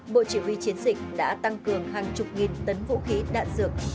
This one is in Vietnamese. bộ chỉ huy chiến dịch đã tăng cường hàng chục nghìn tấn vũ khí đạn dược